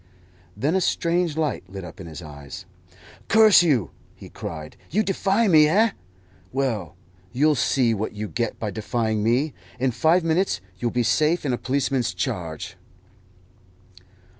Then a strange light lit up his eyes. "Curse you!" he cried, "you defy me, eh? Well, you'll see what you get by defying me. In five minutes you will be safe in a policeman's charge."